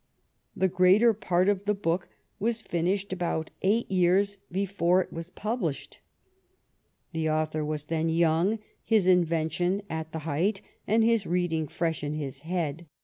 The greater part of the book was finished about eight years before it was published. " The author was then young, his inven tion at the height, and his reading fresh in his head."